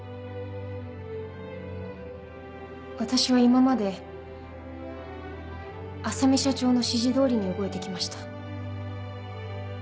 私は今まで浅海社長の指示通りに動いて来ました。